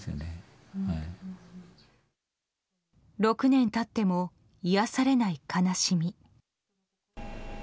６年経っても癒やされない悲しみ。